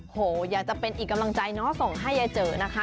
โหอยากจะเป็นอีกกำลังใจเนาะส่งให้ยายเจอนะคะ